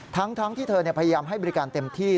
ทั้งที่เธอพยายามให้บริการเต็มที่